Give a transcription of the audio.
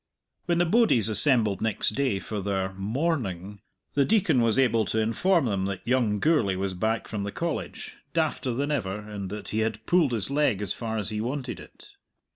When the bodies assembled next day for their "morning," the Deacon was able to inform them that young Gourlay was back from the College, dafter than ever, and that he had pulled his leg as far as he wanted it.